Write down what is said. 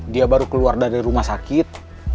dia baru keluar dari rumah sakit